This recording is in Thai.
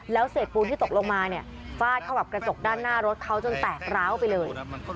แล้วเศษปูนที่ตกลงมาเนี่ยฟาดเข้ากับกระจกด้านหน้ารถเขาจนแตกร้าวไปเลย